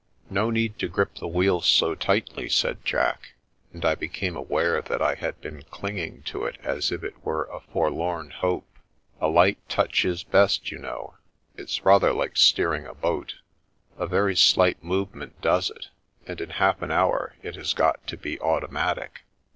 " No need to grip the wheel so tightly," said Jack, and I became aware that I had been clinging to it as if it were a forlorn hope. " A light touch is best, you know ; it's rather like steering a boat. A very slight movement does it, and in half an hour it has got to be automatic.